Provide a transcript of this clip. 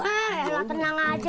helah tenang aja